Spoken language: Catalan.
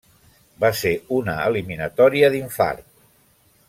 Va ser una eliminatòria d'infart.